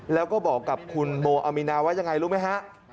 แล้วก็บอกกับคุณโมอามีนาว่ายังไงรู้ไหมฮะ